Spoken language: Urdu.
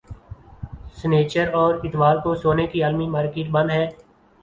سنیچر اور اتوار کو سونے کی عالمی مارکیٹ بند ہے